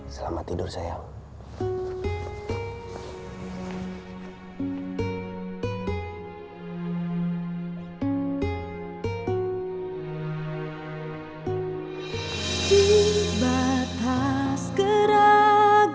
selamat tidur sayang